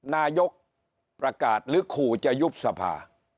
นายกประกาศหรือขู่จะยุบสภา